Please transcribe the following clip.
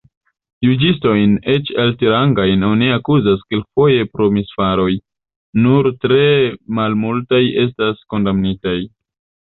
Juĝistojn, eĉ altrangajn, oni akuzas kelkfoje pro misfaroj: nur tre malmultaj estas kondamnitaj.